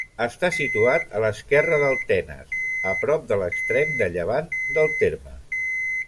Està situat a l'esquerra del Tenes, a prop de l'extrem de llevant del terme.